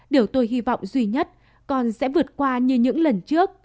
điều tôi hy vọng duy nhất còn sẽ vượt qua như những lần trước